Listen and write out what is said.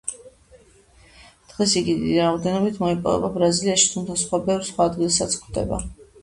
დღეს იგი დიდი რაოდენობით მოიპოვება ბრაზილიაში, თუმცა ბევრ სხვა ადგილასაც გვხვდება.